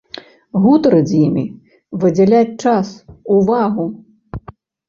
Гутарыць з імі, выдзяляць час, увагу.